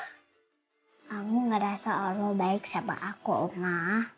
kamu gak rasa allah baik sama aku oma